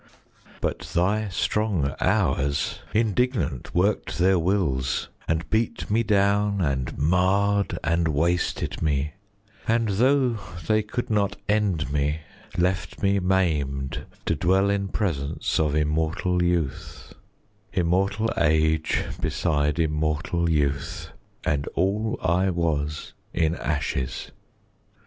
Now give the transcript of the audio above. But thy strong Hours indignant work'd their wills, And beat me down and marr'd and wasted me, And tho' they could not end me, left me maim'd To dwell in presence of immortal youth, Immortal age beside immortal youth, And all I was, in ashes.